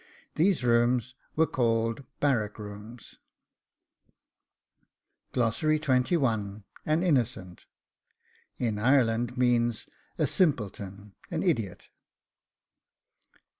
These rooms were called Barrack rooms. AN INNOCENT in Ireland, means a simpleton, an idiot.